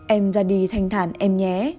em ra đi thanh thản em nhé